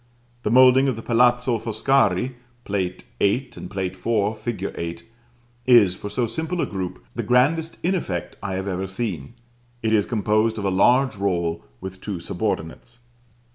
The moulding of the Palazzo Foscari (Plate VIII., and Plate IV. fig. 8) is, for so simple a group, the grandest in effect I have even seen: it is composed of a large roll with two subordinates.